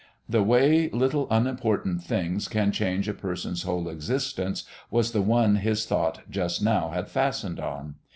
The way little unimportant things can change a person's whole existence was the one his thought just now had fastened on.